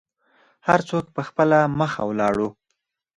هر څوک په خپله مخه ولاړو.